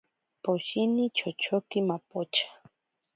Poshini chochoki mapocha.